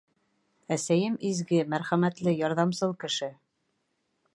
Әсәйем — изге, мәрхәмәтле, ярҙамсыл кеше.